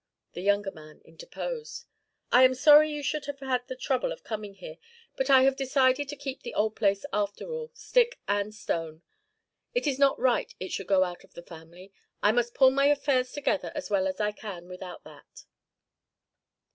The younger man interposed: 'I am sorry you should have had the trouble of coming here, but I have decided to keep the old place after all stick and stone. It is not right it should go out of the family. I must pull my affairs together as well as I can without that.'